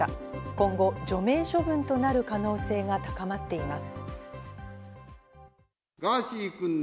今後、除名処分となる可能性が高まっています。